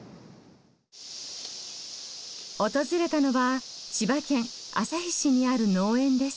訪れたのは千葉県旭市にある農園です。